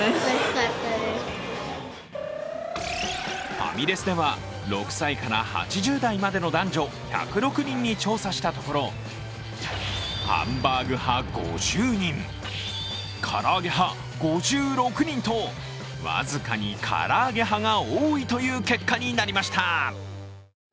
ファミレスでは６歳から８０代までの男女１０６人に調査したところハンバーグ派５０人、から揚げ派５６人と僅かにから揚げ派が多いという結果になりました。